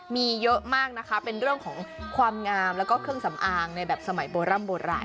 มีเยอะมากนะคะเป็นเรื่องของความงามแล้วก็เครื่องสำอางในแบบสมัยโบร่ำโบราณ